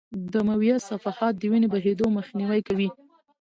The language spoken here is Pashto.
دمویه صفحات د وینې د بهېدو مخنیوی کوي.